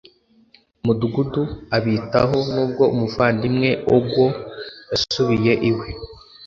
mudugudu abitaho Nubwo umuvandimwe Ogwo yasubiye iwe